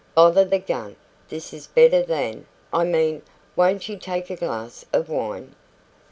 "Bother the gun! This is better than I mean won't you take a glass of wine?"